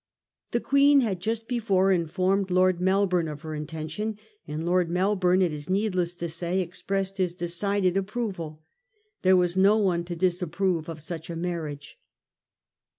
The Queen had just before informed Lord Melbourne of her intention, and Lord Melbourne, it is needless to say, expressed his decided approval. There was no one to disapprove of such a marriage.